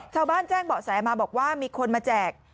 ชาวบ้านแจ้งเบาะแสมาบอกว่ามีคนมาแจก